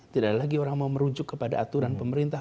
tidak ada lagi orang mau merujuk kepada aturan pemerintah